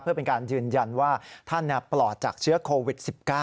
เพื่อเป็นการยืนยันว่าท่านปลอดจากเชื้อโควิด๑๙